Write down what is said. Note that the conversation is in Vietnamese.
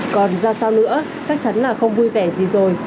còn ra sao nữa chắc chắn là không vui vẻ gì rồi